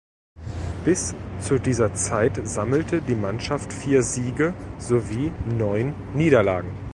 Bis zu dieser Zeit sammelte die Mannschaft vier Siege sowie neun Niederlagen.